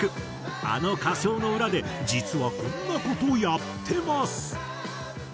あの歌唱の裏で実はこんな事やってます！